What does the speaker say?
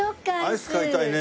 アイス買いたいね。